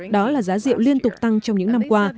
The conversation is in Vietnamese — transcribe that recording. đó là giá rượu liên tục tăng trong những năm qua